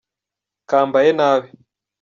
kambaye nabi